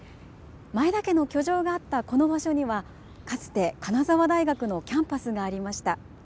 前田家の居城があったこの場所にはかつて金沢大学のキャンパスがありました。